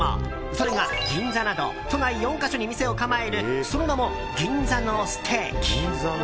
それが銀座など都内４か所に店を構えるその名も銀座のステーキ。